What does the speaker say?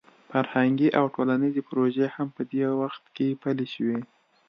فرهنګي او ټولنیزې پروژې هم په دې وخت کې پلې شوې.